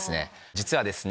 実はですね